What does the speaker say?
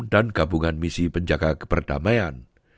dan gabungan misi penjaga keperdamian